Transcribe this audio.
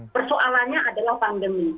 persoalannya adalah pandemi